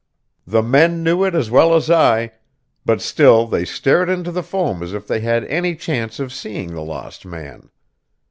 The men knew it as well as I, but still they stared into the foam as if they had any chance of seeing the lost man.